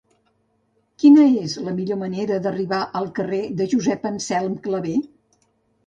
Quina és la millor manera d'arribar al carrer de Josep Anselm Clavé?